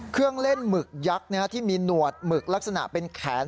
เครื่องเล่นหมึกยักษ์ที่มีหนวดหมึกลักษณะเป็นแขน